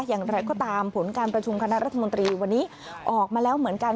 อย่างไรก็ตามผลการประชุมคณะรัฐมนตรีวันนี้ออกมาแล้วเหมือนกัน